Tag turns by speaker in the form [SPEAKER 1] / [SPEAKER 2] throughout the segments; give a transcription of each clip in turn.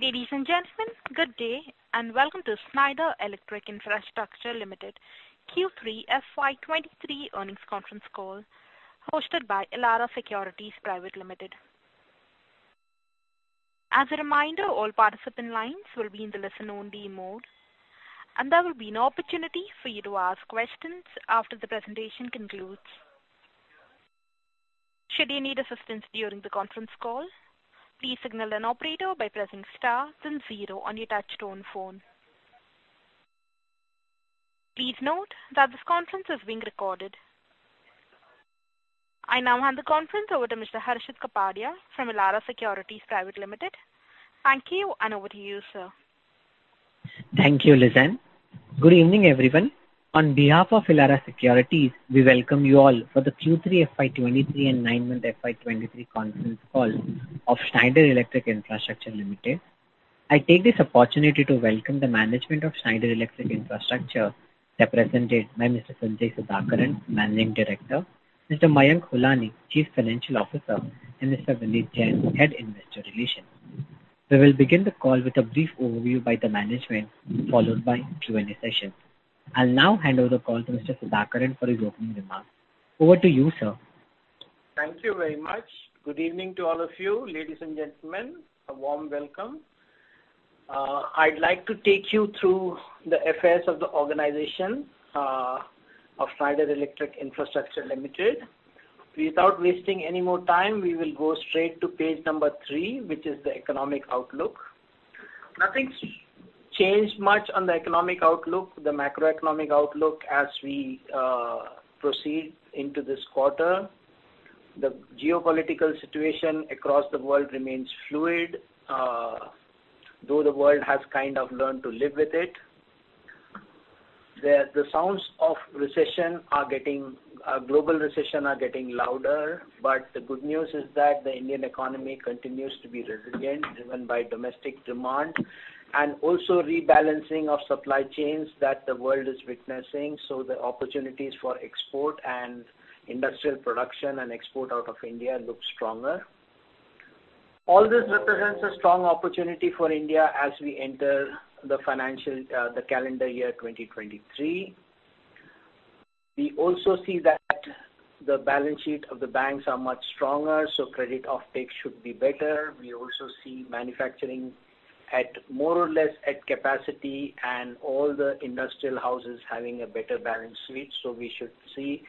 [SPEAKER 1] Ladies and gentlemen, good day, and welcome to Schneider Electric Infrastructure Limited Q3 FY 2023 earnings conference call hosted by Elara Securities Private Limited. As a reminder, all participant lines will be in the listen only mode, and there will be an opportunity for you to ask questions after the presentation concludes. Should you need assistance during the conference call, please signal an operator by pressing star then zero on your touch tone phone. Please note that this conference is being recorded. I now hand the conference over to Mr. Harshit Kapadia from Elara Securities Private Limited. Thank you, and over to you, sir.
[SPEAKER 2] Thank you, Lizanne. Good evening, everyone. On behalf of Elara Securities, we welcome you all for the Q3 FY 2023 and 9-month FY 2023 conference call of Schneider Electric Infrastructure Limited. I take this opportunity to welcome the management of Schneider Electric Infrastructure, represented by Mr. Sanjay Sudhakaran, Managing Director, Mr. Mayank Holani, Chief Financial Officer, and Mr. Vineet Jain, Head Investor Relations. We will begin the call with a brief overview by the management, followed by Q&A session. I'll now hand over the call to Mr. Sudhakar for his opening remarks. Over to you, sir.
[SPEAKER 3] Thank you very much. Good evening to all of you, ladies and gentlemen, a warm welcome. I'd like to take you through the affairs of the organization of Schneider Electric Infrastructure Limited. Without wasting any more time, we will go straight to page number 3, which is the economic outlook. Nothing's changed much on the economic outlook, the macroeconomic outlook as we proceed into this quarter. The geopolitical situation across the world remains fluid, though the world has kind of learned to live with it. The sounds of recession are getting louder. The good news is that the Indian economy continues to be resilient, driven by domestic demand, and also rebalancing of supply chains that the world is witnessing. The opportunities for export and industrial production and export out of India look stronger. All this represents a strong opportunity for India as we enter the financial, the calendar year 2023. We also see that the balance sheet of the banks are much stronger, credit offtake should be better. We also see manufacturing at more or less at capacity and all the industrial houses having a better balance sheet. We should see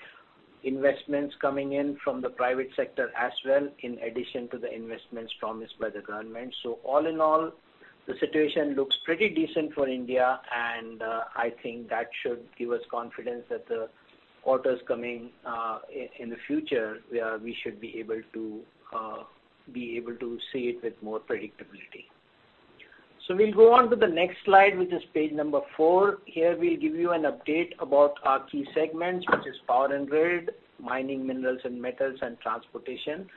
[SPEAKER 3] investments coming in from the private sector as well, in addition to the investments promised by the government. All in all, the situation looks pretty decent for India, and I think that should give us confidence that the quarters coming in the future, we should be able to see it with more predictability. We'll go on to the next slide, which is page number 4. Here we'll give you an update about our key segments, which is power and grid, mining, minerals and metals, and transportation.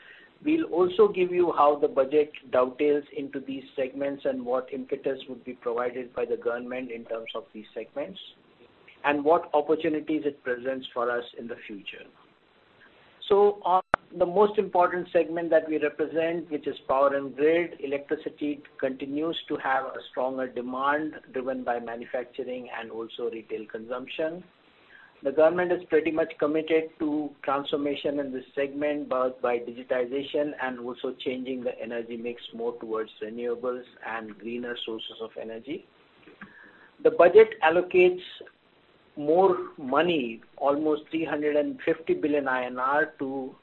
[SPEAKER 3] We'll also give you how the budget dovetails into these segments and what impetus would be provided by the government in terms of these segments, and what opportunities it presents for us in the future. On the most important segment that we represent, which is power and grid, electricity continues to have a stronger demand driven by manufacturing and also retail consumption. The government is pretty much committed to transformation in this segment, both by digitization and also changing the energy mix more towards renewables and greener sources of energy. The budget allocates more money, almost 350 billion INR, to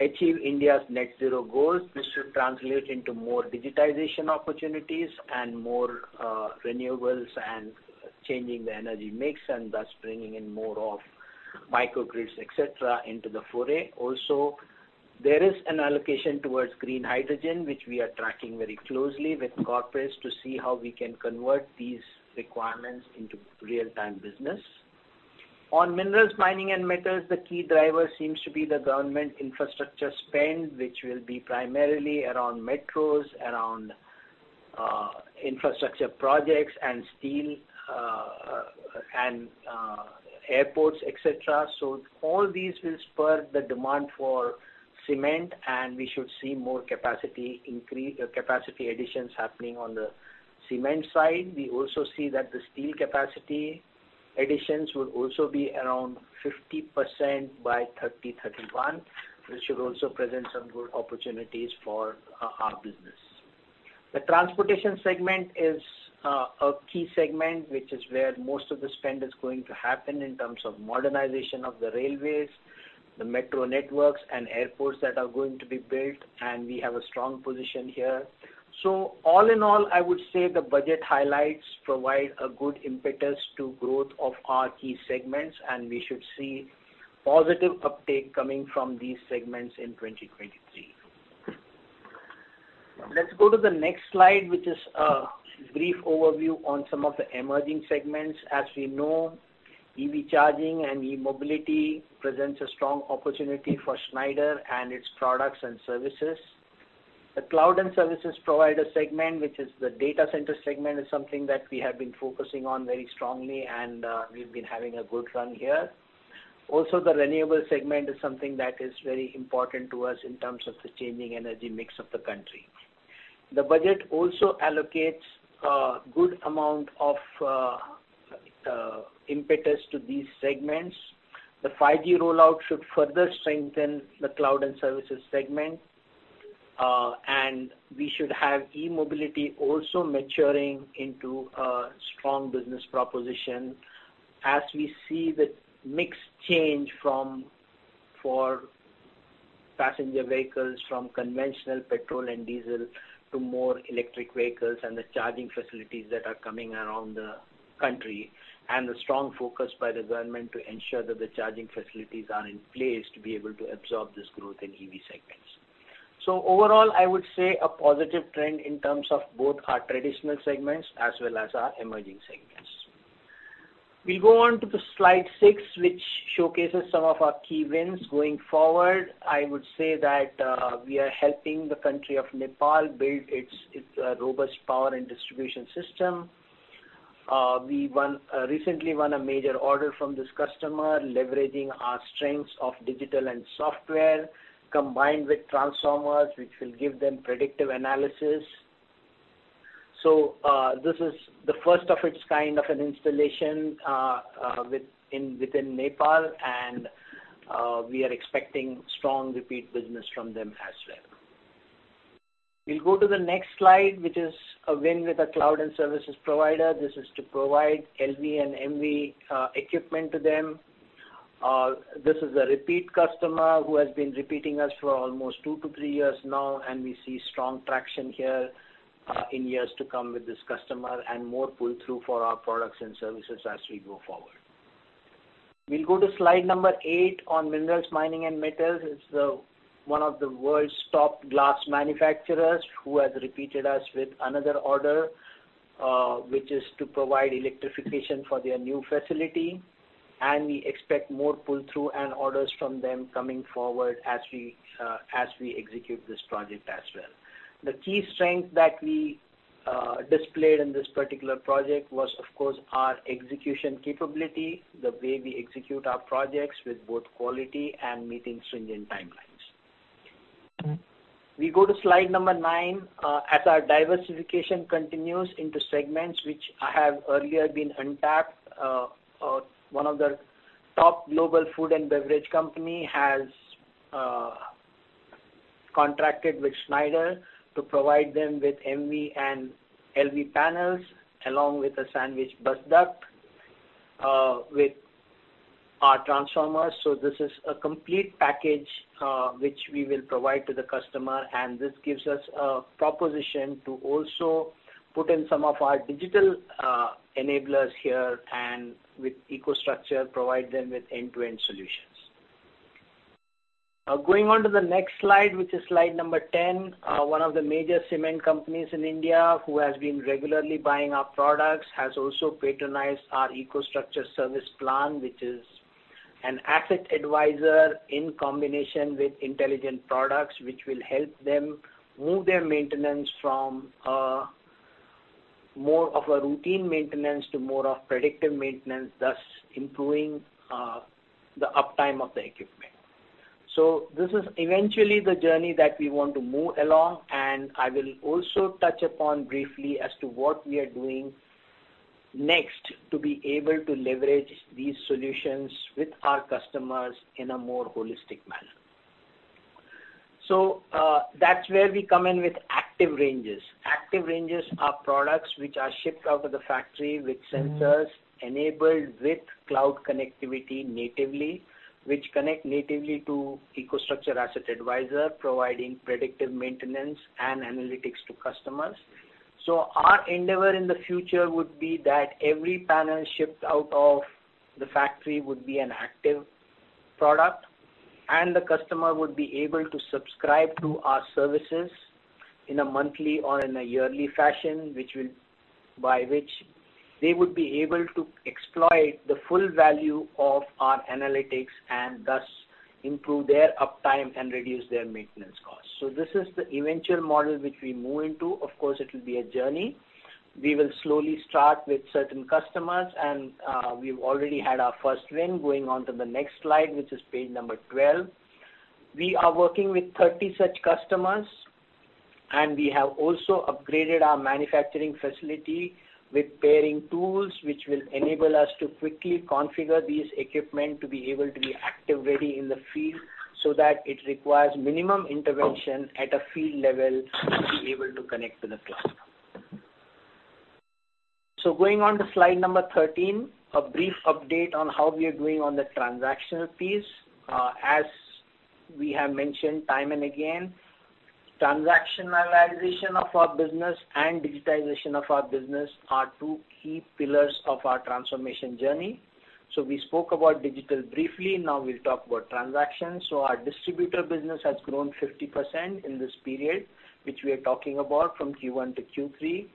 [SPEAKER 3] achieve India's net zero goals. This should translate into more digitization opportunities and more renewables and changing the energy mix, and thus bringing in more of microgrids, et cetera, into the foray. There is an allocation towards green hydrogen, which we are tracking very closely with corporates to see how we can convert these requirements into real-time business. On minerals, mining, and metals, the key driver seems to be the government infrastructure spend, which will be primarily around metros, around infrastructure projects and steel and airports, et cetera. All these will spur the demand for cement, and we should see more capacity additions happening on the cement side. We also see that the steel capacity additions will also be around 50% by 2031, which should also present some good opportunities for our business. The transportation segment is a key segment, which is where most of the spend is going to happen in terms of modernization of the railways, the metro networks and airports that are going to be built, and we have a strong position here. All in all, I would say the budget highlights provide a good impetus to growth of our key segments, and we should see positive uptake coming from these segments in 2023. Let's go to the next slide, which is a brief overview on some of the emerging segments. As we know, EV charging and e-mobility presents a strong opportunity for Schneider and its products and services. The cloud and services provider segment, which is the data center segment, is something that we have been focusing on very strongly, and we've been having a good run here. Also, the renewable segment is something that is very important to us in terms of the changing energy mix of the country. The budget also allocates a good amount of impetus to these segments. The 5G rollout should further strengthen the cloud and services segment. We should have e-mobility also maturing into a strong business proposition as we see the mix change for passenger vehicles, from conventional petrol and diesel to more electric vehicles and the charging facilities that are coming around the country, and the strong focus by the government to ensure that the charging facilities are in place to be able to absorb this growth in EV segments. Overall, I would say a positive trend in terms of both our traditional segments as well as our emerging segments. We'll go on to the Slide 6, which showcases some of our key wins going forward. I would say that we are helping the country of Nepal build its robust power and distribution system. We recently won a major order from this customer, leveraging our strengths of digital and software, combined with transformers, which will give them predictive analysis. This is the first of its kind of an installation within Nepal, and we are expecting strong repeat business from them as well. We'll go to the next slide, which is a win with a cloud and services provider. This is to provide LV and MV equipment to them. This is a repeat customer who has been repeating us for almost 2-3 years now. We see strong traction here in years to come with this customer and more pull-through for our products and services as we go forward. We'll go to slide number eight on minerals, mining and metals. It's one of the world's top glass manufacturers who has repeated us with another order, which is to provide electrification for their new facility. We expect more pull-through and orders from them coming forward as we, as we execute this project as well. The key strength that we displayed in this particular project was, of course, our execution capability, the way we execute our projects with both quality and meeting stringent timelines. We go to slide number nine. As our diversification continues into segments which have earlier been untapped, one of the top global food and beverage company has contracted with Schneider to provide them with MV and LV panels, along with a sandwich bus duct, with our transformers. This is a complete package, which we will provide to the customer, and this gives us a proposition to also put in some of our digital enablers here and with EcoStruxure, provide them with end-to-end solutions. Going on to the next slide, which is slide number 10. One of the major cement companies in India who has been regularly buying our products, has also patronized our EcoStruxure service plan, which is an Asset Advisor in combination with intelligent products, which will help them move their maintenance from more of a routine maintenance to more of predictive maintenance, thus improving the uptime of the equipment. This is eventually the journey that we want to move along, and I will also touch upon briefly as to what we are doing next to be able to leverage these solutions with our customers in a more holistic manner. That's where we come in with Active ranges. Active ranges are products which are shipped out of the factory with sensors enabled with cloud connectivity natively, which connect natively to EcoStruxure Asset Advisor, providing predictive maintenance and analytics to customers. Our endeavor in the future would be that every panel shipped out of the factory would be an active product, and the customer would be able to subscribe to our services in a monthly or in a yearly fashion, by which they would be able to exploit the full value of our analytics and thus improve their uptime and reduce their maintenance costs. This is the eventual model which we move into. Of course, it will be a journey. We will slowly start with certain customers, and we've already had our first win. Going on to the next slide, which is page number 12. We are working with 30 such customers, we have also upgraded our manufacturing facility with pairing tools which will enable us to quickly configure these equipment to be able to be active very in the field, so that it requires minimum intervention at a field level to be able to connect to the cloud. Going on to slide number 13, a brief update on how we are doing on the transactional piece. As we have mentioned time and again, transactionalization of our business and digitization of our business are two key pillars of our transformation journey. We spoke about digital briefly. Now we'll talk about transactions. Our distributor business has grown 50% in this period, which we are talking about from Q1 to Q3.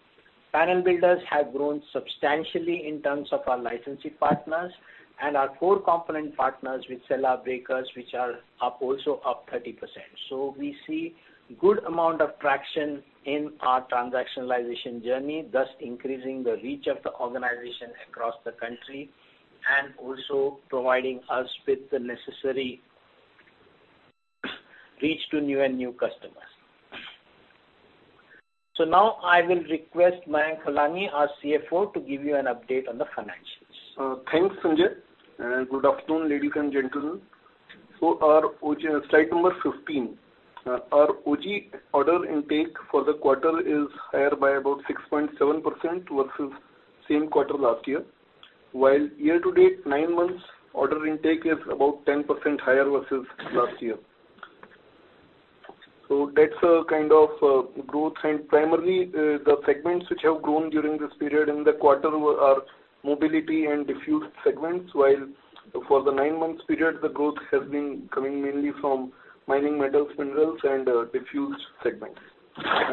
[SPEAKER 3] Panel builders have grown substantially in terms of our licensing partners and our core component partners with sell-out breakers, which are up, also up 30%. We see good amount of traction in our transactionalization journey, thus increasing the reach of the organization across the country and also providing us with the necessary Reach to new and new customers. Now I will request Mayank Holani, our CFO, to give you an update on the financials.
[SPEAKER 4] Thanks, Sanjay, and good afternoon, ladies and gentlemen. Our OG slide number 15. Our OG order intake for the quarter is higher by about 6.7% versus same quarter last year. While year-to-date 9 months order intake is about 10% higher versus last year. That's a kind of growth. Primarily, the segments which have grown during this period in the quarter are mobility and Diffused segments, while for the 9 months period, the growth has been coming mainly from mining, metals, minerals and Diffused segments.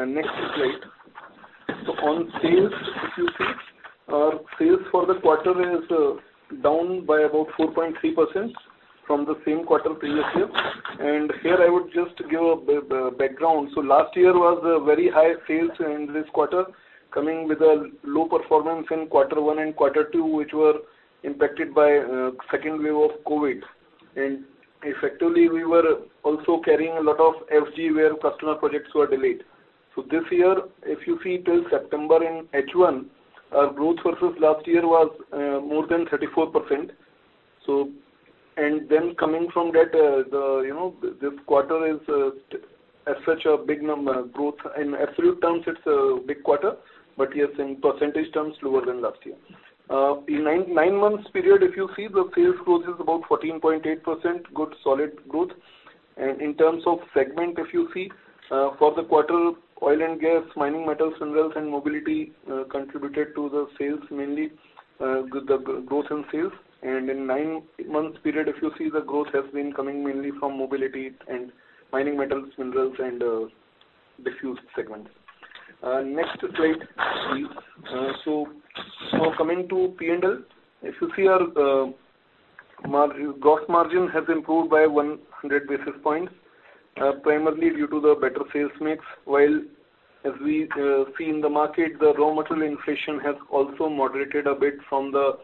[SPEAKER 4] Next slide. On sales, if you see, our sales for the quarter is down by about 4.3% from the same quarter previous year. Here I would just give a background. Last year was a very high sales in this quarter, coming with a low performance in Q1 and Q2, which were impacted by second wave of COVID. Effectively, we were also carrying a lot of FG where customer projects were delayed. This year, if you see till September in H1, our growth versus last year was more than 34%. Coming from that, you know, this quarter is as such a big growth. In absolute terms it's a big quarter, but yes, in percentage terms, lower than last year. In 9 months period, if you see, the sales growth is about 14.8%, good solid growth. In terms of segment, if you see, for the quarter, oil and gas, mining, metals, minerals and mobility contributed to the sales mainly, the growth in sales. In 9 months period, if you see, the growth has been coming mainly from mobility and mining, metals, minerals and Diffused segments. Next slide please. Now coming to P&L. If you see our gross margin has improved by 100 basis points, primarily due to the better sales mix. While as we see in the market, the raw material inflation has also moderated a bit from the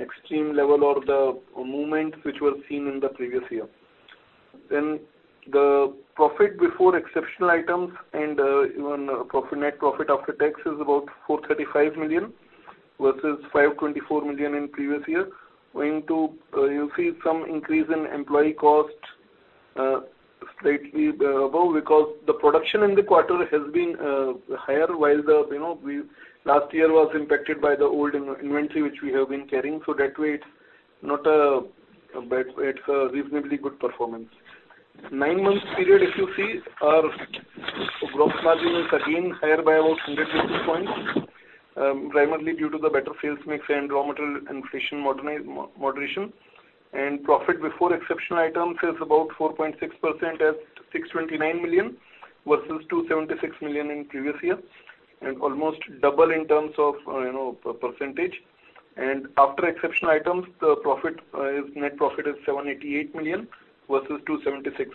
[SPEAKER 4] extreme level or the movements which were seen in the previous year. The profit before exceptional items and even profit, net profit after tax is about 435 million versus 524 million in previous year, going to, you see some increase in employee cost, slightly above, because the production in the quarter has been higher while the, you know, last year was impacted by the old inventory which we have been carrying. That way it's not a bad, it's a reasonably good performance. Nine months period, if you see, our gross margin is again higher by about 100 basis points, primarily due to the better sales mix and raw material inflation moderation. Profit before exceptional items is about 4.6% at 629 million, versus 276 million in previous year, and almost double in terms of, you know, percentage. After exceptional items, the profit is net profit is 788 million versus 276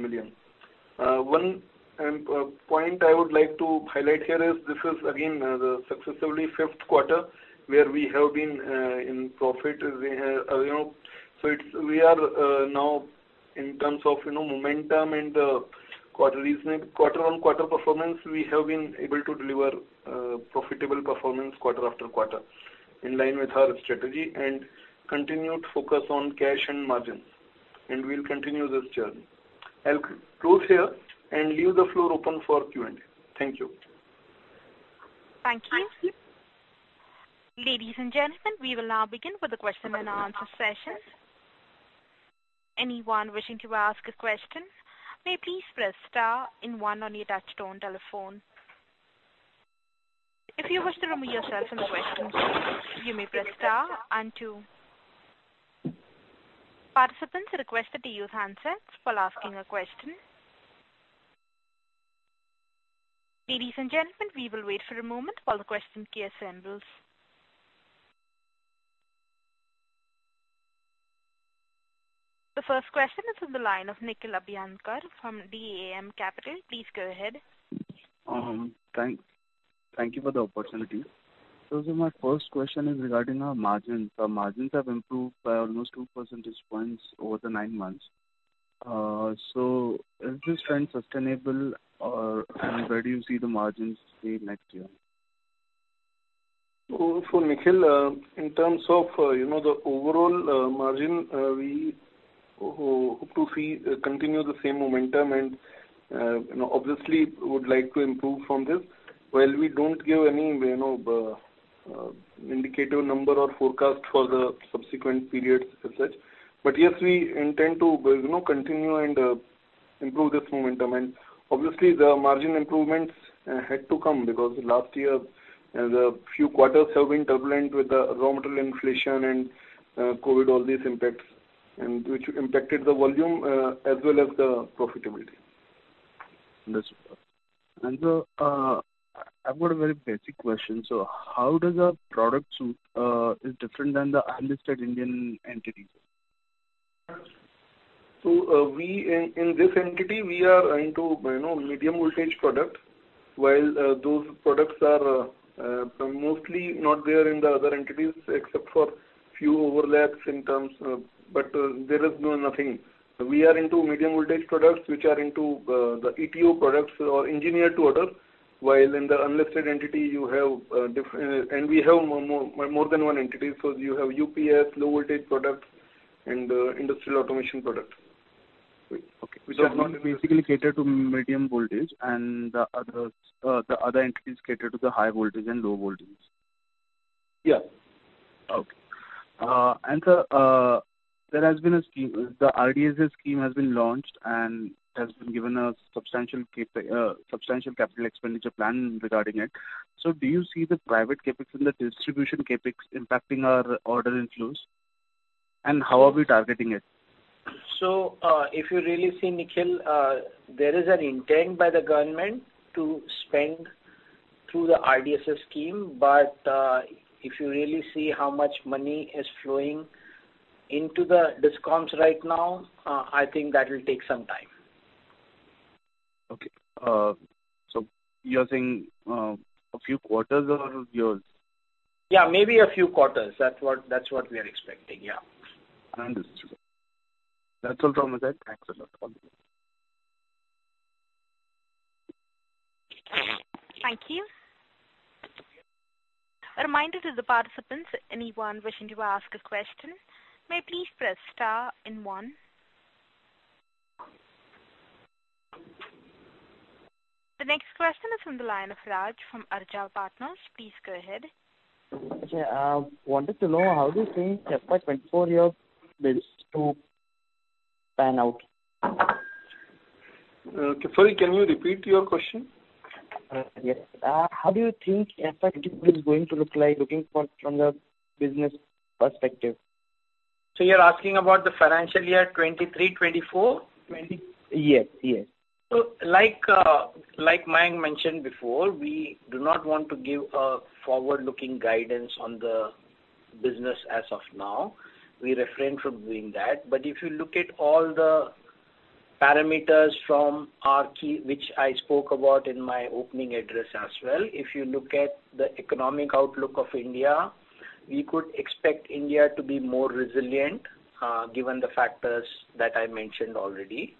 [SPEAKER 4] million. One point I would like to highlight here is this is again the successively fifth quarter where we have been in profit. As we have, you know. We are now in terms of, you know, momentum and quarter-on-quarter performance, we have been able to deliver profitable performance quarter after quarter in line with our strategy and continued focus on cash and margins. We'll continue this journey. I'll close here and leave the floor open for Q&A. Thank you.
[SPEAKER 1] Thank you. Ladies and gentlemen, we will now begin with the question and answer session. Anyone wishing to ask a question, may please press star and one on your touchtone telephone. If you wish to remove yourself from the question, you may press star and two. Participants are requested to use handsets while asking a question. Ladies and gentlemen, we will wait for a moment while the question queue assembles. The first question is on the line of Nikhil Abhyankar from DAM Capital. Please go ahead.
[SPEAKER 5] Thank you for the opportunity. My first question is regarding our margins. The margins have improved by almost 2 percentage points over the 9 months. Is this trend sustainable or where do you see the margins say next year?
[SPEAKER 4] For Nikhil, in terms of, you know, the overall margin, we hope to see continue the same momentum and, you know, obviously would like to improve from this. While we don't give any, you know, indicative number or forecast for the subsequent periods as such. Yes, we intend to, you know, continue and improve this momentum. Obviously the margin improvements had to come because last year, the few quarters have been turbulent with the raw material inflation and COVID, all these impacts and which impacted the volume as well as the profitability.
[SPEAKER 5] That's clear. I've got a very basic question. How does a product suit, is different than the unlisted Indian entity?
[SPEAKER 4] We in this entity, we are into, you know, medium voltage product.
[SPEAKER 3] While those products are mostly not there in the other entities except for few overlaps in terms of... There is no nothing. We are into medium voltage products which are into the ETO products or engineer to order, while in the unlisted entity you have more than one entity. You have UPS, low voltage product and industrial automation product.
[SPEAKER 5] Okay. Which are not basically catered to medium voltage and the others, the other entities catered to the high voltage and low voltage.
[SPEAKER 3] Yeah.
[SPEAKER 5] Okay. Sir, there has been a scheme. The RDSS scheme has been launched and has been given a substantial capital expenditure plan regarding it. Do you see the private CapEx and the distribution CapEx impacting our order inflows, and how are we targeting it?
[SPEAKER 3] If you really see, Nikhil, there is an intent by the government to spend through the RDSS scheme. If you really see how much money is flowing into the DISCOMs right now, I think that will take some time.
[SPEAKER 5] Okay. You're saying, a few quarters or you're...
[SPEAKER 3] Yeah, maybe a few quarters. That's what we are expecting. Yeah.
[SPEAKER 5] Understood. That's all from my side. Thanks a lot.
[SPEAKER 1] Thank you. A reminder to the participants, anyone wishing to ask a question, may please press star and one. The next question is from the line of Raj from Arca Partners. Please go ahead.
[SPEAKER 6] Okay. wanted to know how do you think FY 2024 year bills to pan out?
[SPEAKER 3] Sorry, can you repeat your question?
[SPEAKER 6] Yes. How do you think FY 2024 is going to look like looking for from the business perspective?
[SPEAKER 3] You're asking about the financial year 2023, 2024?
[SPEAKER 6] Yes, yes.
[SPEAKER 3] Like Mayank mentioned before, we do not want to give a forward-looking guidance on the business as of now. We refrain from doing that. If you look at all the parameters from our key, which I spoke about in my opening address as well, if you look at the economic outlook of India, we could expect India to be more resilient, given the factors that I mentioned already.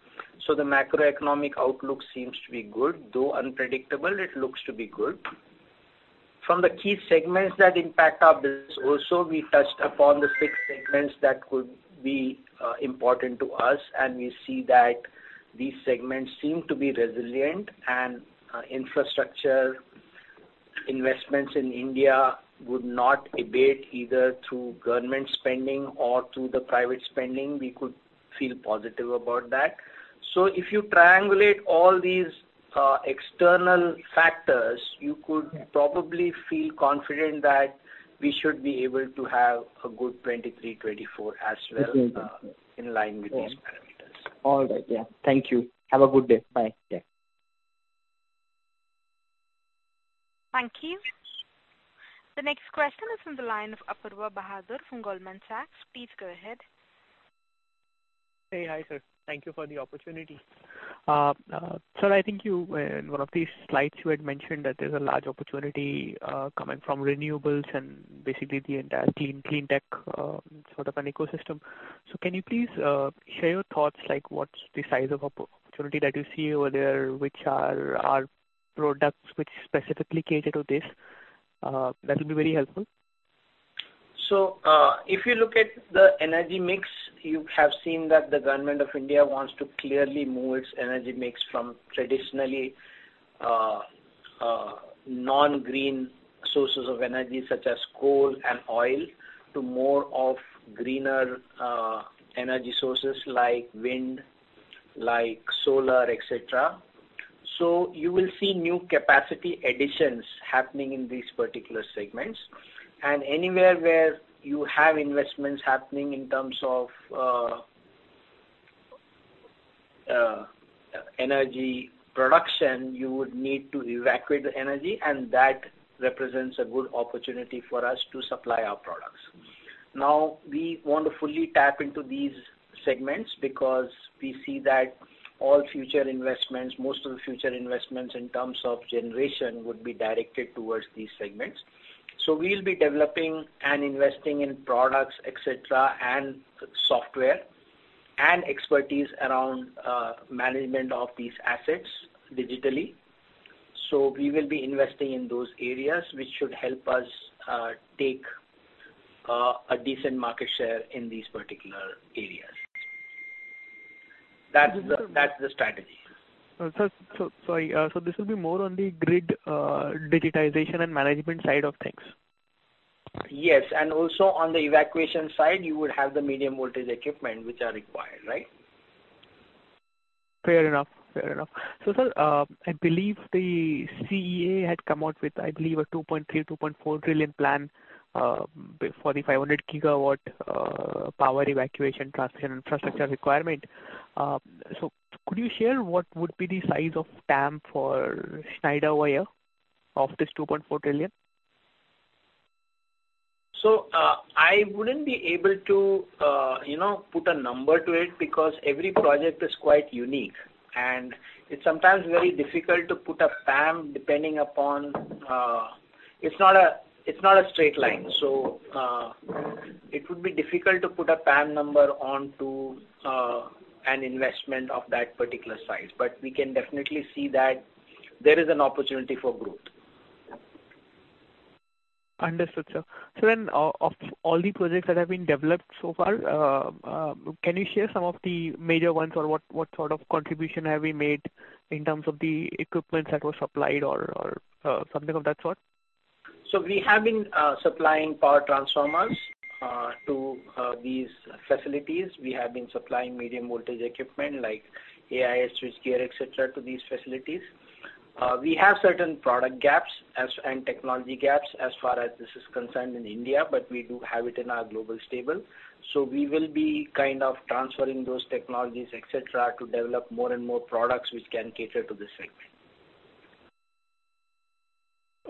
[SPEAKER 3] The macroeconomic outlook seems to be good. Though unpredictable, it looks to be good. From the key segments that impact our business also, we touched upon the six segments that could be important to us, and we see that these segments seem to be resilient. Infrastructure investments in India would not abate either through government spending or through the private spending. We could feel positive about that. If you triangulate all these, external factors, you could probably feel confident that we should be able to have a good 2023, 2024 as well, in line with these parameters.
[SPEAKER 6] All right. Yeah. Thank you. Have a good day. Bye. Yeah.
[SPEAKER 1] Thank you. The next question is from the line of Apoorva Bahadur from Goldman Sachs. Please go ahead.
[SPEAKER 7] Hey. Hi, sir. Thank you for the opportunity. sir, I think you in one of the slides you had mentioned that there's a large opportunity coming from renewables and basically the entire clean tech sort of an ecosystem. Can you please share your thoughts, like what's the size of opportunity that you see over there, which are our products which specifically cater to this? That will be very helpful.
[SPEAKER 3] If you look at the energy mix, you have seen that the Government of India wants to clearly move its energy mix from traditionally, non-green sources of energy such as coal and oil to more of greener energy sources like wind, like solar, et cetera. You will see new capacity additions happening in these particular segments. Anywhere where you have investments happening in terms of energy production, you would need to evacuate the energy, and that represents a good opportunity for us to supply our products. We want to fully tap into these segments because we see that all future investments, most of the future investments in terms of generation would be directed towards these segments. We'll be developing and investing in products, et cetera, and software and expertise around management of these assets digitally. We will be investing in those areas, which should help us take a decent market share in these particular areas. That's the strategy.
[SPEAKER 7] Sorry. This will be more on the grid, digitization and management side of things.
[SPEAKER 3] Yes. Also on the evacuation side you would have the medium voltage equipment which are required, right?
[SPEAKER 7] Fair enough. Fair enough. Sir, I believe the CEA had come out with, I believe, a 2.3 trillion-2.4 trillion plan for the 500 GW power evacuation transmission infrastructure requirement. Could you share what would be the size of TAM for Schneider wire of this 2.4 trillion?
[SPEAKER 3] I wouldn't be able to, you know, put a number to it because every project is quite unique, and it's sometimes very difficult to put a TAM depending upon. It's not a, it's not a straight line. It would be difficult to put a TAM number onto an investment of that particular size. We can definitely see that there is an opportunity for growth.
[SPEAKER 7] Understood, sir. Of all the projects that have been developed so far, can you share some of the major ones or what sort of contribution have we made in terms of the equipment that was supplied or something of that sort?
[SPEAKER 3] We have been supplying power transformers to these facilities. We have been supplying medium voltage equipment like AIS, switchgear, et cetera, to these facilities. We have certain product gaps and technology gaps as far as this is concerned in India, but we do have it in our global stable. We will be kind of transferring those technologies, et cetera, to develop more and more products which can cater to this segment.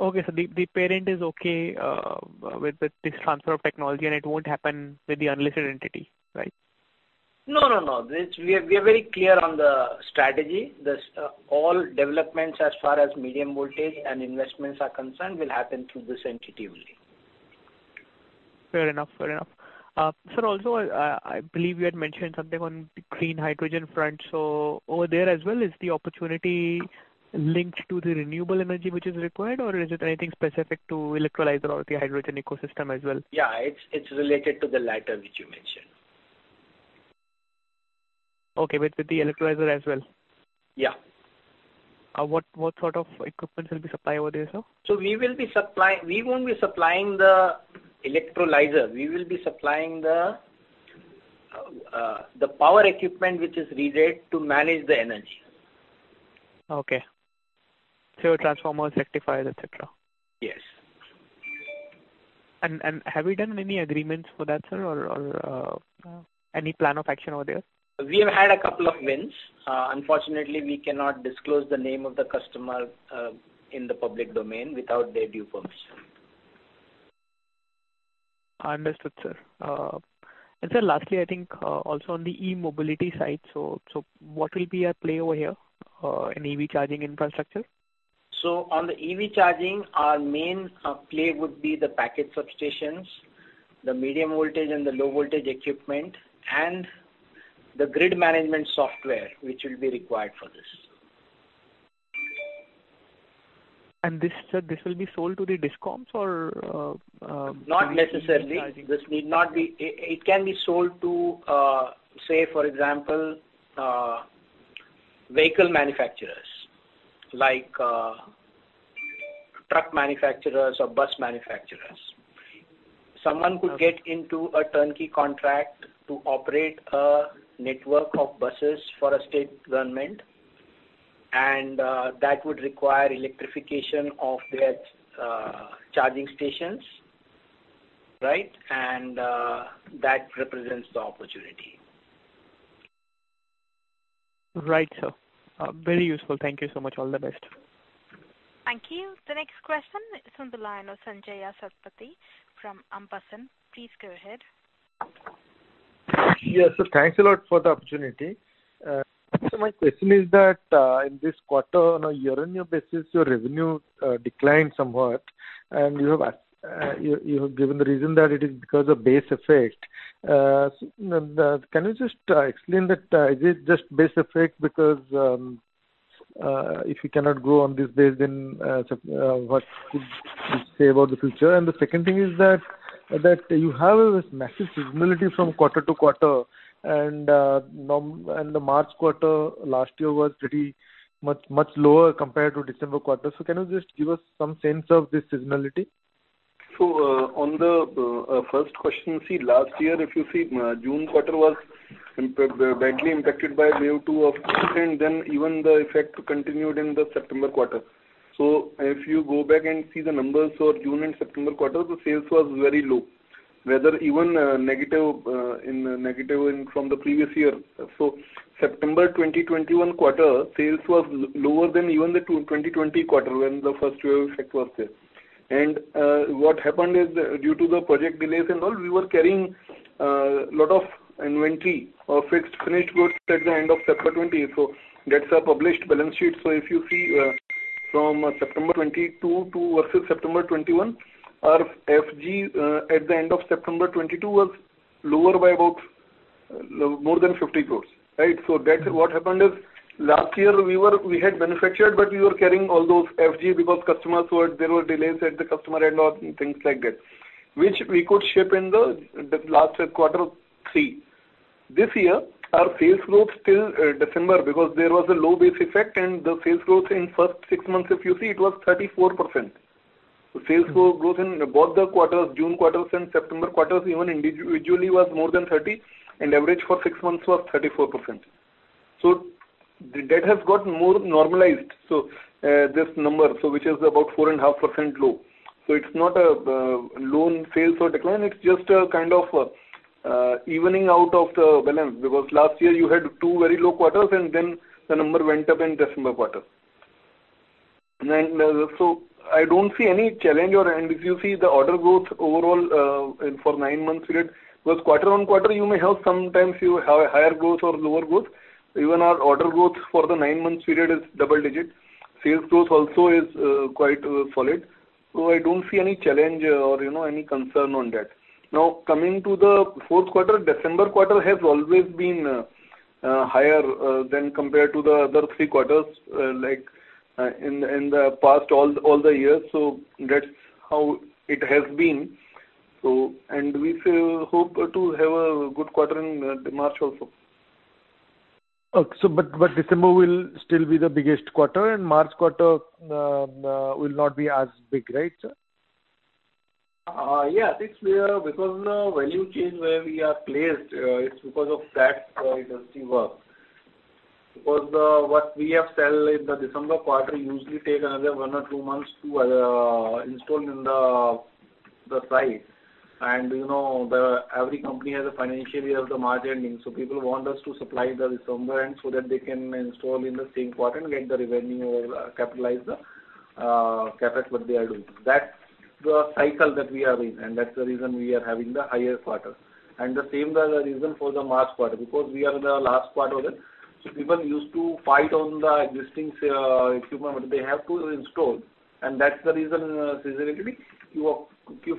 [SPEAKER 7] Okay. The parent is okay with this transfer of technology and it won't happen with the unlisted entity, right?
[SPEAKER 3] No, no. We are very clear on the strategy. All developments as far as medium voltage and investments are concerned will happen through this entity only.
[SPEAKER 7] Fair enough. Fair enough. sir, also, I believe you had mentioned something on the green hydrogen front. Over there as well, is the opportunity linked to the renewable energy which is required or is it anything specific to electrolyzer or the hydrogen ecosystem as well?
[SPEAKER 3] Yeah. It's related to the latter which you mentioned.
[SPEAKER 7] Okay. With the electrolyzer as well.
[SPEAKER 3] Yeah.
[SPEAKER 7] What, what sort of equipment will be supplied over there, sir?
[SPEAKER 3] We won't be supplying the electrolyzer. We will be supplying the power equipment which is required to manage the energy.
[SPEAKER 7] Okay. Your transformers, rectifiers, et cetera.
[SPEAKER 3] Yes.
[SPEAKER 7] Have you done any agreements for that, sir, or any plan of action over there?
[SPEAKER 3] We have had a couple of wins. Unfortunately, we cannot disclose the name of the customer, in the public domain without their due permission.
[SPEAKER 7] Understood, sir. Sir, lastly, I think, also on the e-mobility side, what will be at play over here, in EV charging infrastructure?
[SPEAKER 3] On the EV charging, our main play would be the package substations, the medium voltage and the low voltage equipment, and the grid management software which will be required for this.
[SPEAKER 7] This, sir, this will be sold to the DISCOMs or.
[SPEAKER 3] Not necessarily. This need not be. It can be sold to, say for example, vehicle manufacturers like truck manufacturers or bus manufacturers. Someone could get into a turnkey contract to operate a network of buses for a state government that would require electrification of their charging stations, right? That represents the opportunity.
[SPEAKER 7] Right, sir. very useful. Thank you so much. All the best.
[SPEAKER 1] Thank you. The next question is on the line of Sanjaya Satapathy from Ampersand. Please go ahead.
[SPEAKER 8] Thanks a lot for the opportunity. My question is that in this quarter, on a year-on-year basis, your revenue declined somewhat, and you have given the reason that it is because of base effect. Can you just explain that? Is it just base effect because if you cannot grow on this base, then what could you say about the future? The second thing is that you have this massive seasonality from quarter to quarter, and the March quarter last year was pretty much lower compared to December quarter. Can you just give us some sense of this seasonality?
[SPEAKER 3] On the first question, see, last year if you see, June quarter was badly impacted by May two of and then even the effect continued in the September quarter. If you go back and see the numbers for June and September quarter, the sales was very low, whether even negative in from the previous year. September 2021 quarter sales was lower than even the 2020 quarter when the first year effect was there. What happened is due to the project delays and all, we were carrying lot of inventory of fixed finished goods at the end of September twenty. That's our published balance sheet. If you see, from September 2022 versus September 2021, our FG at the end of September 2022 was lower by more than 50 crores, right? That's what happened is last year we had manufactured, but we were carrying all those FG because there were delays at the customer end or things like that, which we could ship in the last Q3. This year, our sales growth till December because there was a low base effect and the sales growth in first 6 months if you see it was 34%. The sales growth in both the quarters, June quarters and September quarters even individually was more than 30 and average for 6 months was 34%. That has got more normalized. This number, which is about 4.5% low. It's not a loan sales or decline, it's just a kind of evening out of the balance because last year you had two very low quarters then the number went up in December quarter. I don't see any challenge. If you see the order growth overall, in for 9 months period, because quarter on quarter you may have sometimes you have a higher growth or lower growth. Even our order growth for the 9 months period is double digit. Sales growth also is quite solid. I don't see any challenge or, you know, any concern on that. Coming to the 4th quarter, December quarter has always been higher than compared to the other 3 quarters, like in the past all the years. That's how it has been. We still hope to have a good quarter in the March also.
[SPEAKER 8] Okay. December will still be the biggest quarter, and March quarter will not be as big, right?
[SPEAKER 3] Yeah, I think we are because the value chain where we are placed, it's because of that, it doesn't work. Because what we have sell in the December quarter usually take another one or two months to install in the site. You know, every company has a financial year of the March ending, so people want us to supply the December end so that they can install in the same quarter and get the revenue or capitalize the CapEx what they are doing. That's the cycle that we are in, and that's the reason we are having the higher quarter. The same the reason for the March quarter, because we are the last quarter then. People used to fight on the existing equipment what they have to install. That's the reason, seasonality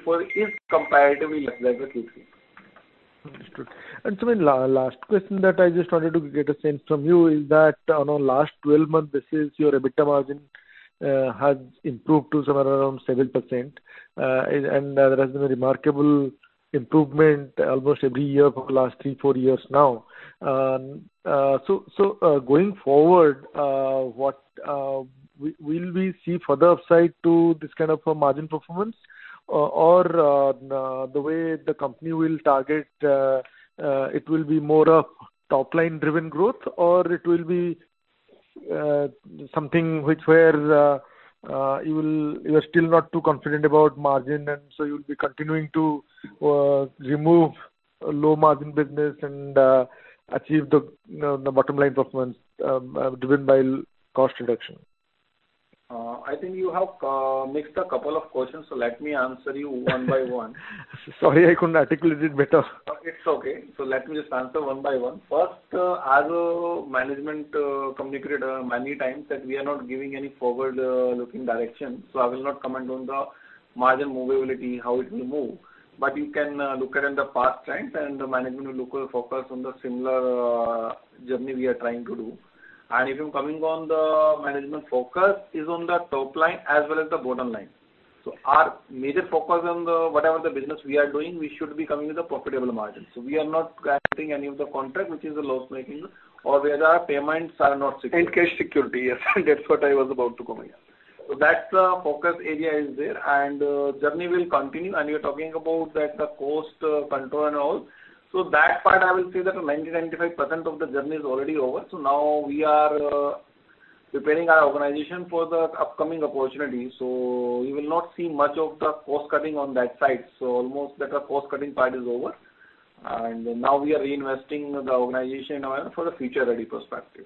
[SPEAKER 3] quarter is comparatively less than the Q3.
[SPEAKER 8] Understood. In last question that I just wanted to get a sense from you is that on our last 12 months, this is your EBITDA margin has improved to somewhere around 7%. There has been a remarkable improvement almost every year for the last 3, 4 years now. Going forward, what will we see further upside to this kind of a margin performance? The way the company will target, it will be more of top-line driven growth? It will be something which where you are still not too confident about margin, and so you'll be continuing to remove low-margin business and achieve the bottom-line performance driven by cost reduction?
[SPEAKER 3] I think you have mixed a couple of questions. Let me answer you one by one.
[SPEAKER 8] Sorry, I couldn't articulate it better.
[SPEAKER 3] It's okay. Let me just answer one by one. First, as management communicated many times that we are not giving any forward looking direction, I will not comment on the margin movability, how it will move. You can look at in the past trend. The management will look or focus on the similar journey we are trying to do. If you're coming on the management focus is on the top line as well as the bottom line. Our major focus on the, whatever the business we are doing, we should be coming with a profitable margin. We are not granting any of the contract which is a loss making or where our payments are not secure.
[SPEAKER 8] Cash security. Yes. That's what I was about to comment.
[SPEAKER 3] That's the focus area is there, and journey will continue. You're talking about that the cost control and all. That part I will say that 90%-95% of the journey is already over. Now we are preparing our organization for the upcoming opportunity. You will not see much of the cost cutting on that side. Almost that cost cutting part is over. Now we are reinvesting the organization around for the future ready perspective.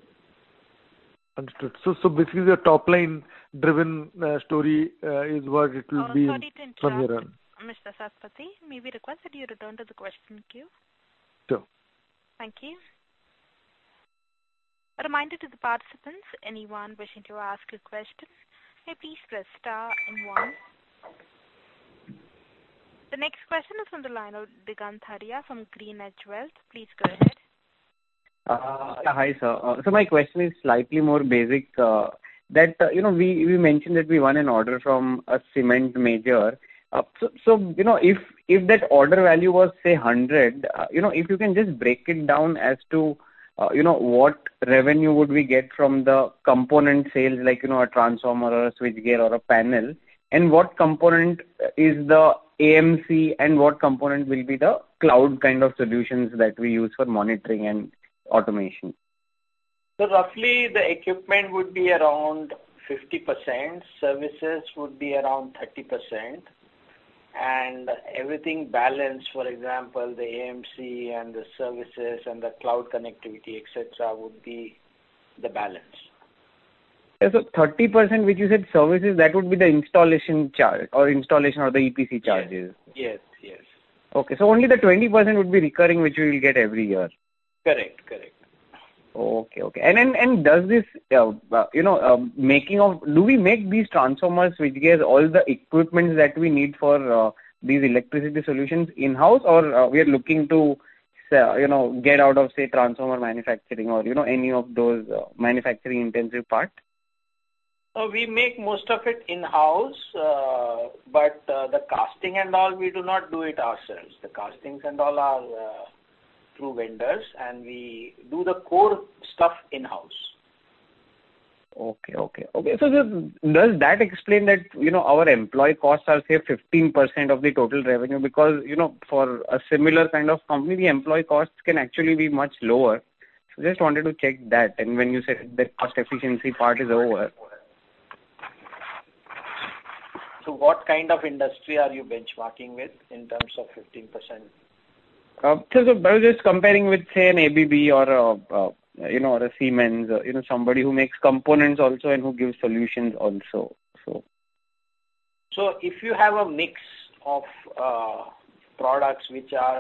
[SPEAKER 8] Understood. Basically your top line driven story is what it will be from here on.
[SPEAKER 1] Sorry to interrupt, Mr. Satapathy. May we request that you return to the question queue?
[SPEAKER 8] Sure.
[SPEAKER 1] Thank you. A reminder to the participants, anyone wishing to ask a question, may please press star 1. The next question is from the line of Diganth Haria from Green Edge Wealth. Please go ahead.
[SPEAKER 9] Hi, sir. My question is slightly more basic, that, you know, we mentioned that we won an order from a cement major. You know, if that order value was, say, 100, you know, if you can just break it down as to, you know, what revenue would we get from the component sales, like, you know, a transformer or a switchgear or a panel? What component is the AMC and what component will be the cloud kind of solutions that we use for monitoring and automation?
[SPEAKER 3] Roughly the equipment would be around 50%, services would be around 30%. Everything balanced, for example, the AMC and the services and the cloud connectivity et cetera, would be the balance.
[SPEAKER 9] 30% which you said services, that would be the installation charge or installation or the EPC charges.
[SPEAKER 3] Yes. Yes, yes.
[SPEAKER 9] Okay. Only the 20% would be recurring, which we will get every year.
[SPEAKER 3] Correct, correct.
[SPEAKER 9] Okay, okay. Does this, you know, Do we make these transformers, switchgears, all the equipment that we need for these electricity solutions in-house? Or, we are looking to you know, get out of, say, transformer manufacturing or, you know, any of those manufacturing intensive parts?
[SPEAKER 3] We make most of it in-house, but the casting and all we do not do it ourselves. The castings and all are through vendors, and we do the core stuff in-house.
[SPEAKER 9] Okay. Does that explain that, you know, our employee costs are, say, 15% of the total revenue? You know, for a similar kind of company, the employee costs can actually be much lower. Just wanted to check that. When you said the cost efficiency part is over.
[SPEAKER 3] What kind of industry are you benchmarking with in terms of 15%?
[SPEAKER 9] I was just comparing with, say, an ABB or a, you know, or a Siemens, you know, somebody who makes components also and who gives solutions also.
[SPEAKER 3] If you have a mix of products which are,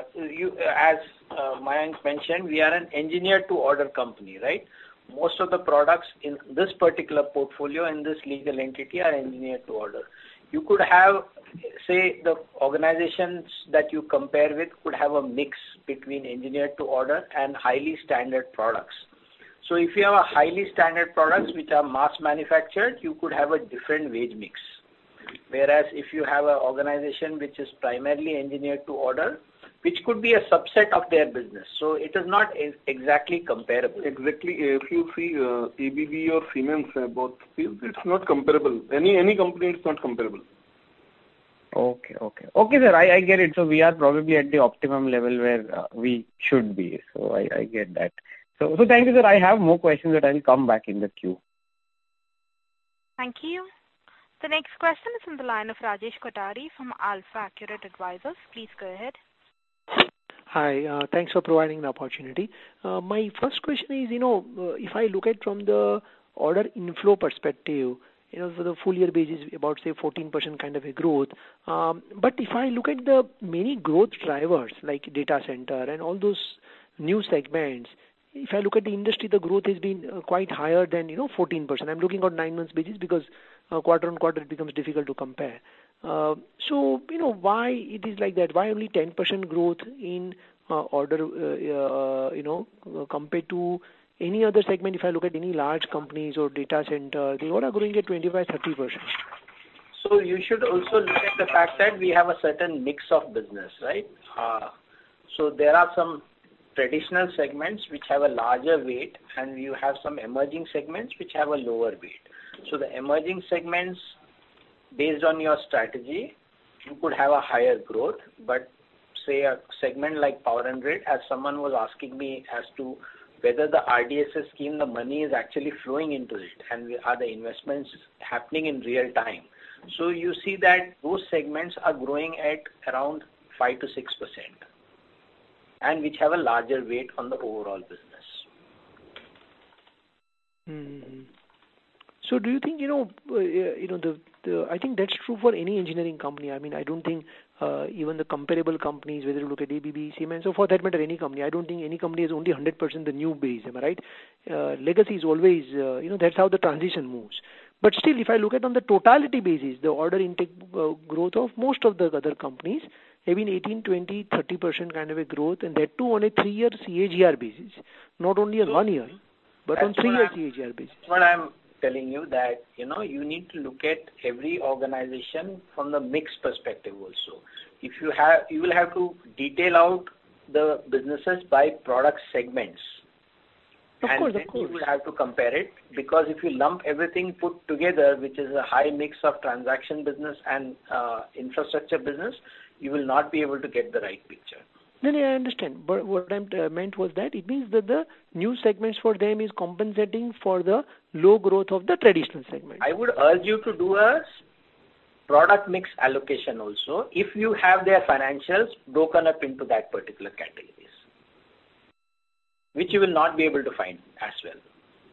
[SPEAKER 3] as Mayank mentioned, we are an engineer to order company, right? Most of the products in this particular portfolio and this legal entity are engineered to order. You could have, say, the organizations that you compare with could have a mix between engineer to order and highly standard products. If you have a highly standard products which are mass manufactured, you could have a different wage mix. Whereas if you have an organization which is primarily engineered to order, which could be a subset of their business, so it is not exactly comparable. Exactly. If you see, ABB or Siemens, both fields, it's not comparable. Any company, it's not comparable.
[SPEAKER 9] Okay. Okay. Okay, sir, I get it. We are probably at the optimum level where we should be. I get that. Thank you, sir. I have more questions, but I'll come back in the queue.
[SPEAKER 1] Thank you. The next question is on the line of Rajesh Kothari from AlfAccurate Advisors. Please go ahead.
[SPEAKER 10] Hi. Thanks for providing the opportunity. My first question is, you know, if I look at from the order inflow perspective, you know, for the full year basis about, say, 14% kind of a growth. If I look at the many growth drivers like data center and all those new segments, if I look at the industry, the growth has been quite higher than, you know, 14%. I'm looking on 9 months basis because quarter-on-quarter it becomes difficult to compare. You know, why it is like that? Why only 10% growth in order, you know, compared to any other segment? If I look at any large companies or data center, they all are growing at 20%-30%.
[SPEAKER 3] You should also look at the fact that we have a certain mix of business, right? There are some traditional segments which have a larger weight, and you have some emerging segments which have a lower weight. The emerging segments, based on your strategy, you could have a higher growth. Say a segment like power and grid, as someone was asking me as to whether the RDSS scheme, the money is actually flowing into it, and are the investments happening in real time. You see that those segments are growing at around 5%-6%, and which have a larger weight on the overall business.
[SPEAKER 10] Do you think, you know, the... I think that's true for any engineering company. I mean, I don't think, even the comparable companies, whether you look at ABB, Siemens, so for that matter, any company, I don't think any company is only 100% the new base. Am I right? Legacy is always, you know, that's how the transition moves. Still, if I look at on the totality basis, the order intake growth of most of the other companies have been 18%, 20%, 30% kind of a growth, and that too on a 3-year CAGR basis, not only on 1 year, but on 3-year CAGR basis.
[SPEAKER 3] That's what I'm telling you that, you know, you need to look at every organization from the mix perspective also. You will have to detail out the businesses by product segments.
[SPEAKER 10] Of course, of course.
[SPEAKER 3] You will have to compare it, because if you lump everything put together, which is a high mix of transaction business and infrastructure business, you will not be able to get the right picture.
[SPEAKER 10] No, no, I understand. What I meant was that it means that the new segments for them is compensating for the low growth of the traditional segment.
[SPEAKER 3] I would urge you to do a product mix allocation also, if you have their financials broken up into that particular categories. Which you will not be able to find as well.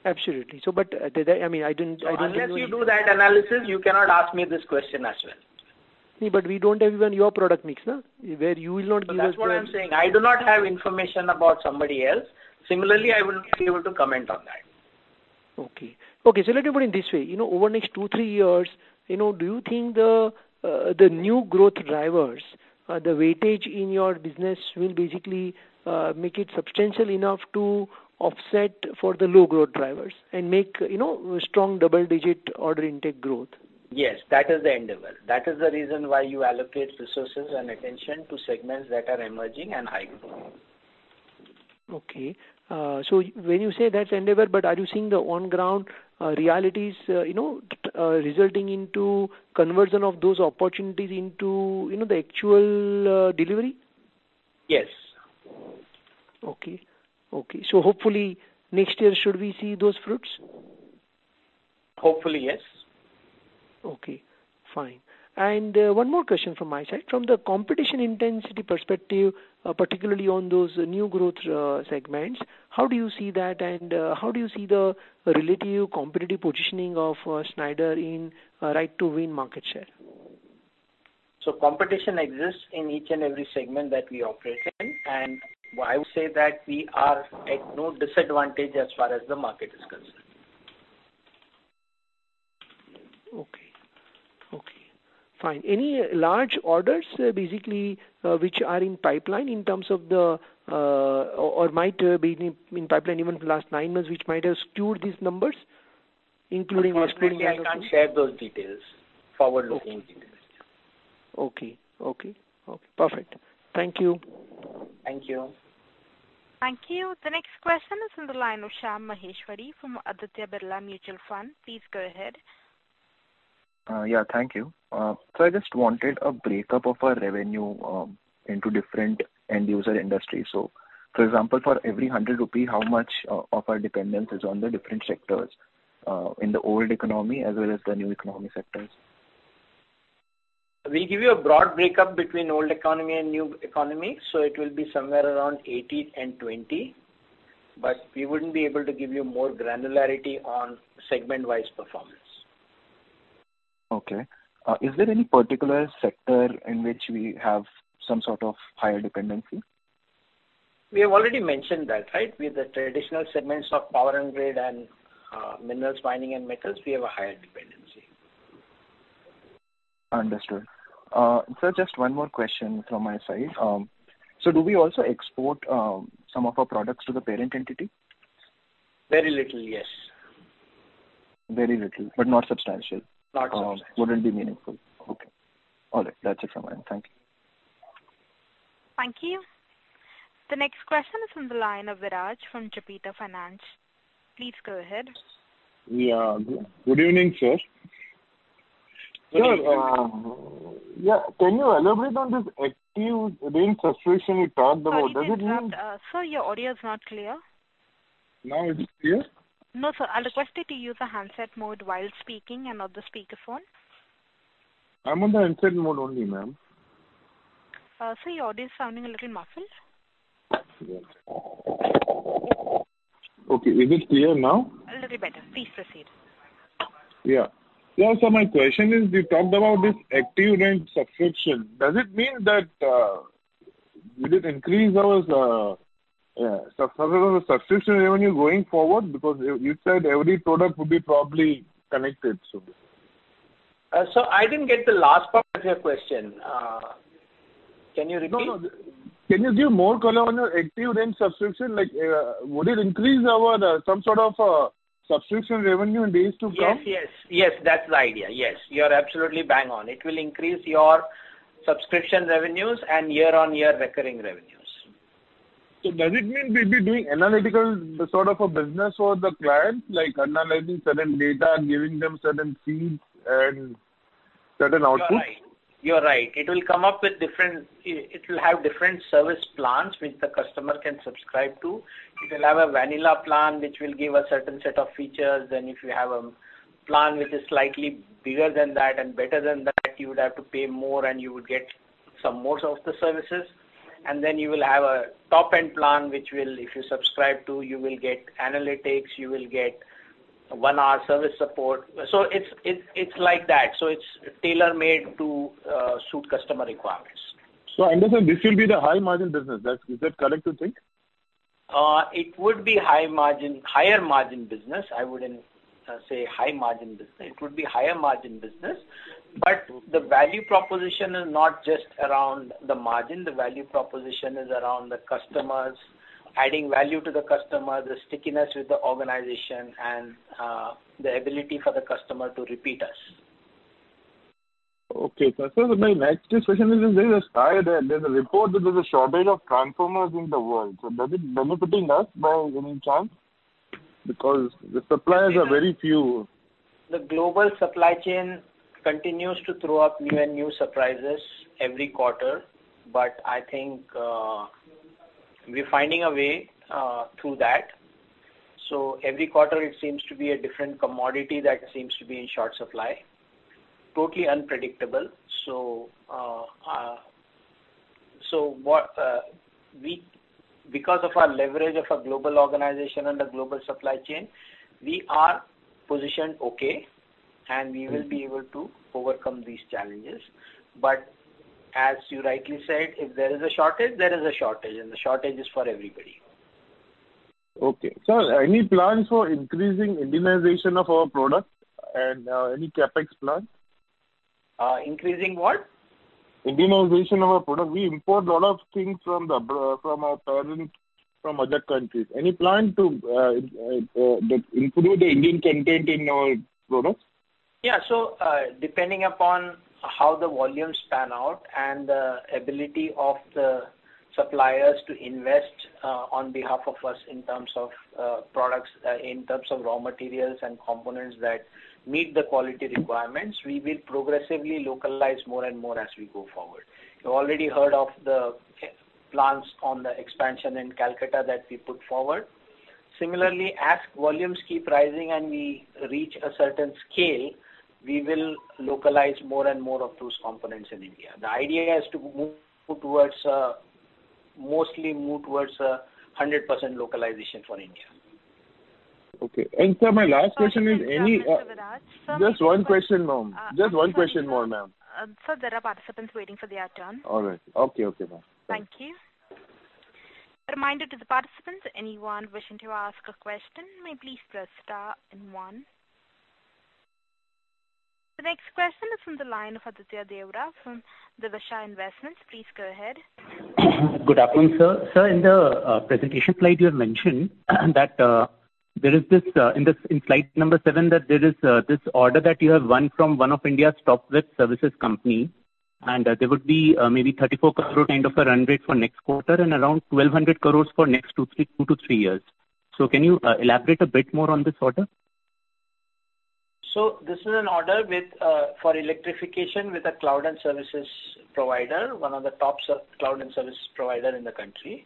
[SPEAKER 10] Absolutely. The, I mean, I didn't.
[SPEAKER 3] Unless you do that analysis, you cannot ask me this question as well.
[SPEAKER 10] We don't have even your product mix, no? Where you will not give us.
[SPEAKER 3] That's what I'm saying. I do not have information about somebody else. Similarly, I will not be able to comment on that.
[SPEAKER 10] Okay. Okay, let me put it this way. You know, over next two, three years, you know, do you think the new growth drivers, the weightage in your business will basically make it substantial enough to offset for the low growth drivers and make, you know, strong double-digit order intake growth?
[SPEAKER 3] Yes. That is the endeavor. That is the reason why you allocate resources and attention to segments that are emerging and high growth.
[SPEAKER 10] Okay. When you say that's endeavor, are you seeing the on ground realities, you know, resulting into conversion of those opportunities into, you know, the actual delivery?
[SPEAKER 3] Yes.
[SPEAKER 10] Okay. Hopefully next year, should we see those fruits?
[SPEAKER 3] Hopefully, yes.
[SPEAKER 10] Okay, fine. One more question from my side. From the competition intensity perspective, particularly on those new growth segments, how do you see that? How do you see the relative competitive positioning of Schneider in right to win market share?
[SPEAKER 3] Competition exists in each and every segment that we operate in. I would say that we are at no disadvantage as far as the market is concerned.
[SPEAKER 10] Okay. Okay, fine. Any large orders, basically, which are in pipeline in terms of the, or might be in pipeline even for the last nine months, which might have skewed these numbers, including or excluding-?
[SPEAKER 3] Unfortunately, I can't share those details, forward-looking details.
[SPEAKER 10] Okay. Okay. Okay, perfect. Thank you.
[SPEAKER 3] Thank you.
[SPEAKER 1] Thank you. The next question is on the line of Shyam Maheshwari from Aditya Birla Mutual Fund. Please go ahead.
[SPEAKER 11] Yeah, thank you. I just wanted a breakup of our revenue into different end user industry. For example, for every 100 rupee, how much of our dependence is on the different sectors in the old economy as well as the new economy sectors?
[SPEAKER 3] We give you a broad breakup between old economy and new economy. It will be somewhere around 80 and 20. We wouldn't be able to give you more granularity on segment-wise performance.
[SPEAKER 11] Okay. Is there any particular sector in which we have some sort of higher dependency?
[SPEAKER 3] We have already mentioned that, right? With the traditional segments of power and grid and minerals, mining and metals, we have a higher dependency.
[SPEAKER 11] Understood. Sir, just one more question from my side. Do we also export, some of our products to the parent entity?
[SPEAKER 3] Very little, yes.
[SPEAKER 11] Very little, but not substantial.
[SPEAKER 3] Not substantial.
[SPEAKER 11] wouldn't be meaningful. Okay. All right. That's it from my end. Thank you.
[SPEAKER 1] Thank you. The next question is from the line of Viraj from Japetha Finance. Please go ahead.
[SPEAKER 12] Yeah. Good evening, sir.
[SPEAKER 3] Sir-
[SPEAKER 12] Yeah. Can you elaborate on this Active Range subscription you talked about? Does it mean?
[SPEAKER 1] Sorry to interrupt. sir, your audio is not clear.
[SPEAKER 12] Now it is clear?
[SPEAKER 1] No, sir. I'll request you to use the handset mode while speaking and not the speaker phone.
[SPEAKER 12] I'm on the handset mode only, ma'am.
[SPEAKER 1] Sir, your audio is sounding a little muffled.
[SPEAKER 12] Okay. Is it clear now?
[SPEAKER 1] A little better. Please proceed.
[SPEAKER 12] Yeah. Yeah. My question is, you talked about this Active range subscription. Does it mean that, will it increase our, yeah, subscription revenue going forward? Because you said every product would be probably connected, so.
[SPEAKER 3] Sir, I didn't get the last part of your question. Can you repeat?
[SPEAKER 12] No, no. Can you give more color on your Active range subscription? Like, would it increase our, some sort of, subscription revenue in days to come?
[SPEAKER 3] Yes. Yes. Yes, that's the idea. Yes, you're absolutely bang on. It will increase your subscription revenues and year-on-year recurring revenues.
[SPEAKER 12] Does it mean we'll be doing analytical sort of a business for the client, like analyzing certain data, giving them certain feeds and certain outputs?
[SPEAKER 3] You're right. You're right. It will have different service plans which the customer can subscribe to. It will have a vanilla plan which will give a certain set of features. If you have a plan which is slightly bigger than that and better than that, you would have to pay more and you would get some more of the services. You will have a top-end plan which will, if you subscribe to, you will get analytics, you will get 1-hour service support. It's like that. It's tailor-made to suit customer requirements.
[SPEAKER 12] I understand this will be the high-margin business. Is that correct to think?
[SPEAKER 3] It would be higher-margin business. I wouldn't say high-margin business. It would be higher-margin business. The value proposition is not just around the margin. The value proposition is around the customers, adding value to the customer, the stickiness with the organization and the ability for the customer to repeat us.
[SPEAKER 12] Okay. Sir, my next question is, there's a report that there's a shortage of transformers in the world. Does it benefiting us by any chance? The suppliers are very few.
[SPEAKER 3] The global supply chain continues to throw up new and new surprises every quarter. I think, we're finding a way through that. Every quarter it seems to be a different commodity that seems to be in short supply. Totally unpredictable. What, we Because of our leverage of a global organization and a global supply chain, we are positioned okay, and we will be able to overcome these challenges. As you rightly said, if there is a shortage, there is a shortage, and the shortage is for everybody.
[SPEAKER 12] Okay. Sir, any plans for increasing Indianization of our product and any CapEx plans?
[SPEAKER 3] Increasing what?
[SPEAKER 12] Indianization of our product. We import a lot of things from the from our parent, from other countries. Any plan to improve the Indian content in our products?
[SPEAKER 3] Yeah. Depending upon how the volumes pan out and the ability of the suppliers to invest on behalf of us in terms of products, in terms of raw materials and components that meet the quality requirements, we will progressively localize more and more as we go forward. You already heard of the plans on the expansion in Calcutta that we put forward. Similarly, as volumes keep rising and we reach a certain scale, we will localize more and more of those components in India. The idea is to move towards mostly move towards 100% localization for India.
[SPEAKER 12] Okay. sir, my last question is.
[SPEAKER 1] Sorry to interrupt, Mr. Viraj.
[SPEAKER 12] Just one question, ma'am. Just one question more, ma'am.
[SPEAKER 1] Sir, there are participants waiting for their turn.
[SPEAKER 12] All right. Okay. Okay, ma'am.
[SPEAKER 1] Thank you. A reminder to the participants, anyone wishing to ask a question may please press star and 1. The next question is from the line of Aditya Deora from Divisha Investments. Please go ahead.
[SPEAKER 13] Good afternoon, sir. Sir, in the presentation slide you had mentioned that there is this in slide number 7, that there is this order that you have won from one of India's top wealth services company, and there would be maybe 34 crore kind of a run rate for next quarter and around 1,200 crores for next 2-3 years. Can you elaborate a bit more on this order?
[SPEAKER 3] This is an order with for electrification with a cloud and services provider, one of the top cloud and service provider in the country.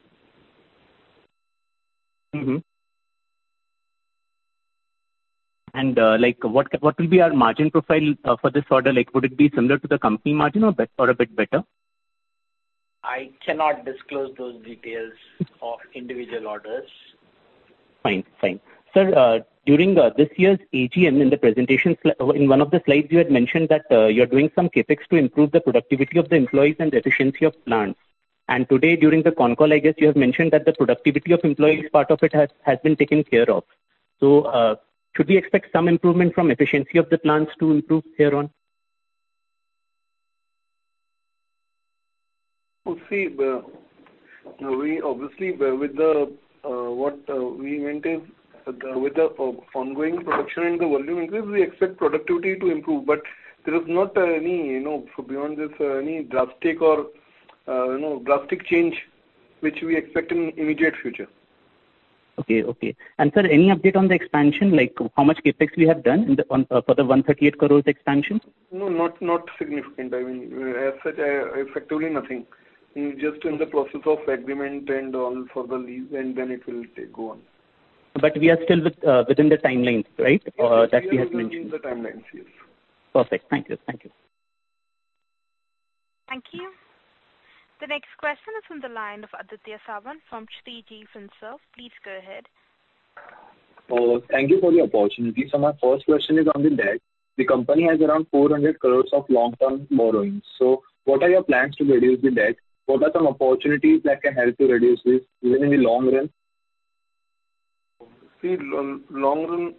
[SPEAKER 13] Like, what will be our margin profile for this order? Like, would it be similar to the company margin or a bit better?
[SPEAKER 3] I cannot disclose those details of individual orders.
[SPEAKER 13] Fine. Fine. Sir, during this year's AGM in the presentation in one of the slides you had mentioned that you're doing some CapEx to improve the productivity of the employees and the efficiency of plants. Today during the con call, I guess you have mentioned that the productivity of employees part of it has been taken care of. Should we expect some improvement from efficiency of the plants to improve here on?
[SPEAKER 4] Well, see, we obviously with the, what, we maintain with the ongoing production and the volume increase, we expect productivity to improve. There is not any, you know, beyond this, any drastic or, you know, drastic change which we expect in immediate future.
[SPEAKER 13] Okay. Okay. Sir, any update on the expansion, like how much CapEx we have done for the 138 crores expansion?
[SPEAKER 4] No, not significant. I mean, as such, effectively nothing. Just in the process of agreement and all for the lease, then it will take go on.
[SPEAKER 13] We are still within the timelines, right? That we have mentioned.
[SPEAKER 4] Yes, we are within the timelines. Yes.
[SPEAKER 13] Perfect. Thank you. Thank you.
[SPEAKER 1] Thank you. The next question is from the line of Aditya Sawant from Shreeji Finserv. Please go ahead.
[SPEAKER 14] Oh, thank you for the opportunity. My first question is on the debt. The company has around 400 crores of long-term borrowings. What are your plans to reduce the debt? What are some opportunities that can help you reduce this even in the long run?
[SPEAKER 4] See, long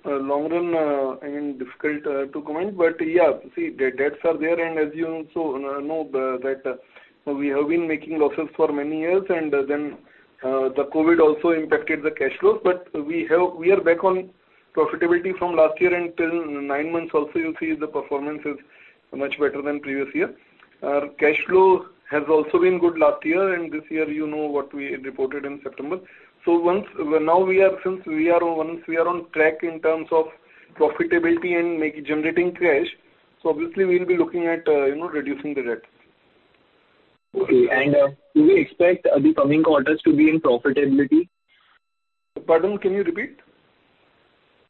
[SPEAKER 4] run, I mean, difficult to comment, but yeah, see, the debts are there. As you also know that we have been making losses for many years and then the COVID also impacted the cash flows. We are back on profitability from last year until nine months also you'll see the performance is much better than previous year. Our cash flow has also been good last year and this year you know what we reported in September. Once now we are, since we are on track in terms of profitability and generating cash, obviously we will be looking at, you know, reducing the debt.
[SPEAKER 14] Okay. Do you expect the coming quarters to be in profitability?
[SPEAKER 4] Pardon? Can you repeat?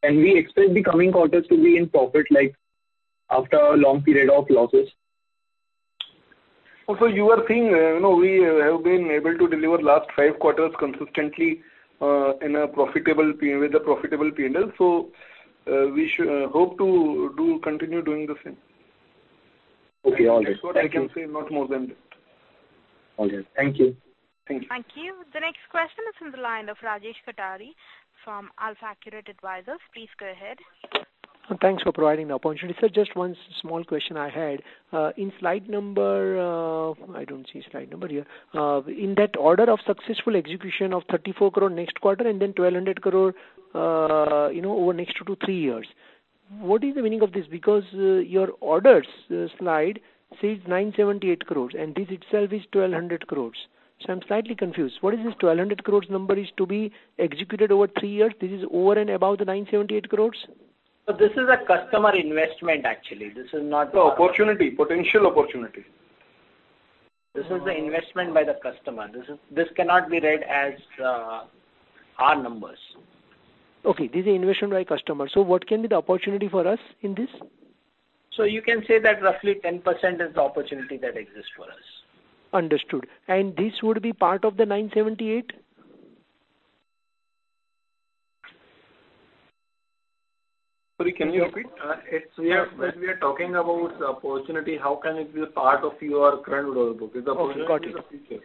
[SPEAKER 14] Can we expect the coming quarters to be in profit like after a long period of losses?
[SPEAKER 4] you are seeing, you know, we have been able to deliver last five quarters consistently, with a profitable P&L. We hope to do continue doing the same.
[SPEAKER 14] Okay. All good. Thank you.
[SPEAKER 4] That's what I can say, not more than that.
[SPEAKER 14] All good. Thank you.
[SPEAKER 4] Thank you.
[SPEAKER 1] Thank you. The next question is from the line of Rajesh Khatri from AlfAccurate Advisors. Please go ahead.
[SPEAKER 10] Thanks for providing the opportunity. Sir, just one small question I had. In slide number, I don't see slide number here. In that order of successful execution of 34 crore next quarter and then 1,200 crore, you know, over next 2-3 years. What is the meaning of this? Because, your orders slide says 978 crores, and this itself is 1,200 crores. I'm slightly confused. What is this 1,200 crores number is to be executed over 3 years? This is over and above the 978 crores?
[SPEAKER 3] This is a customer investment actually. This is.
[SPEAKER 4] Opportunity, potential opportunity.
[SPEAKER 3] This is the investment by the customer. This cannot be read as our numbers.
[SPEAKER 10] Okay, this is investment by customer. What can be the opportunity for us in this?
[SPEAKER 3] you can say that roughly 10% is the opportunity that exists for us.
[SPEAKER 10] Understood. This would be part of the 978?
[SPEAKER 4] Sorry, can you repeat?
[SPEAKER 3] It's, we are talking about opportunity. How can it be a part of your current order book? It's a opportunity for future.
[SPEAKER 10] Okay. Got it.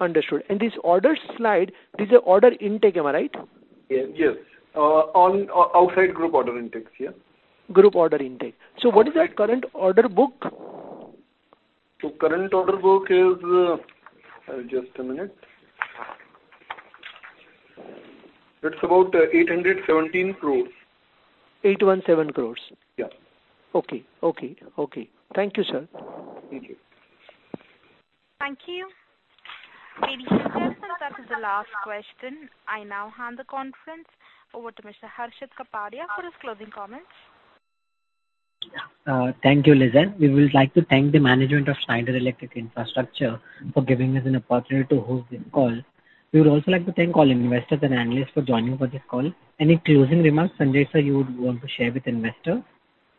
[SPEAKER 10] Understood. This orders slide, this is a order intake, am I right?
[SPEAKER 4] Yes. On outside group order intakes, yeah.
[SPEAKER 10] Group order intake.
[SPEAKER 4] Correct.
[SPEAKER 10] What is our current order book?
[SPEAKER 4] Current order book is. Just a minute. It's about 817 crores.
[SPEAKER 10] 817 crores.
[SPEAKER 4] Yeah.
[SPEAKER 10] Okay. Okay. Okay. Thank you, sir.
[SPEAKER 4] Thank you.
[SPEAKER 1] Thank you. Ladies and gentlemen, that is the last question. I now hand the conference over to Mr. Harshit Kapadia for his closing comments.
[SPEAKER 2] Thank you, Lizan. We would like to thank the management of Schneider Electric Infrastructure for giving us an opportunity to host this call. We would also like to thank all investors and analysts for joining for this call. Any closing remarks, Sanjay sir, you would want to share with investors?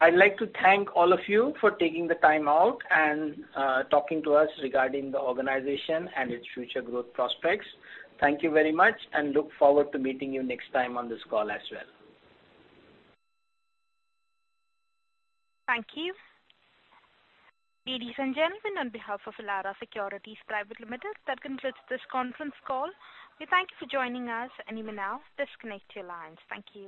[SPEAKER 3] I'd like to thank all of you for taking the time out and talking to us regarding the organization and its future growth prospects. Thank you very much, and look forward to meeting you next time on this call as well.
[SPEAKER 1] Thank you. Ladies and gentlemen, on behalf of Elara Securities Private Limited, that concludes this conference call. We thank you for joining us. You may now disconnect your lines. Thank you.